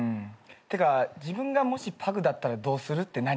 ってか「自分がもしパグだったらどうする？」って何？